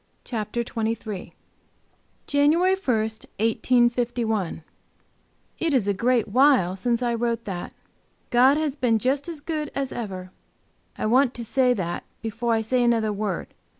Chapter 23 XXIII. JANUARY 1, 1851 IT is a great while since I wrote that. "God has been just as good as ever"; I want to say that before I say another word.